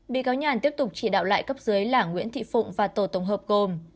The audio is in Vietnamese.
bị cáo nhàn tiếp tục chỉ đạo lại cấp dưới là nguyễn thị phụng và tổ tổng hợp gồm